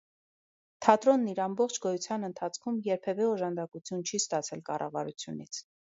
Թատրոնն իր ամբողջ գոյության ընթացքում երբևէ օժանդակություն չի ստացել կառավարությունից։